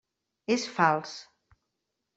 És fals.